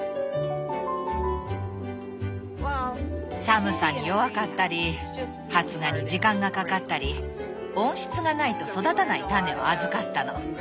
寒さに弱かったり発芽に時間がかかったり温室がないと育たない種を預かったの。